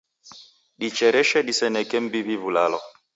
Dichereshe diseneke m'mbiw'i w'ulalo.